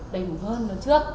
đầy đủ hơn là trước